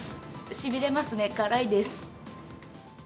しびれますね、辛いです。